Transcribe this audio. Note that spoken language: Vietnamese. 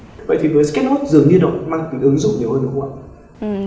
vậy thì với sketch note dường như đổi mang ứng dụng nhiều hơn đúng không ạ